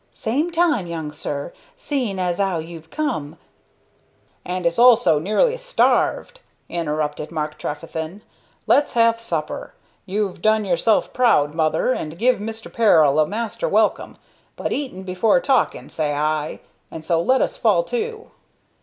Same time, young sir, seeing has 'ow you've come " "And is also nearly starved," interrupted Mark Trefethen. "Let's have supper. You've done yourself proud, mother, and give Mr. Peril a master welcome; but eating before talking, say I, and so let us fall to."